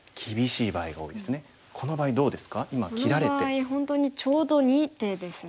この場合本当にちょうど２手ですね。